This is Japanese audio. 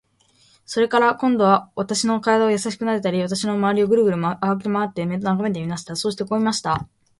それから、今度は私の身体をやさしくなでたり、私のまわりをぐるぐる歩きまわって眺めていました。そしてこう言いました。